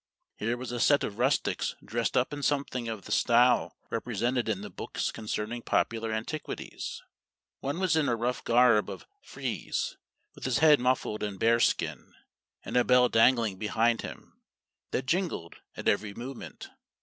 Here was a set of rustics dressed up in something of the style represented in the books concerning popular antiquities. One was in a rough garb of frieze, with his head muffled in bear skin, and a bell dangling behind him, that jingled at every movement.